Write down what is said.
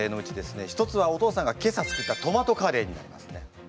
一つはお父さんが今朝作ったトマトカレーになりますね。